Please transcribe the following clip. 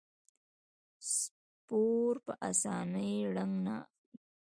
سپور په اسانۍ رنګ نه اخلي.